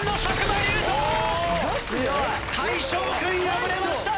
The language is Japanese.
大昇君敗れました！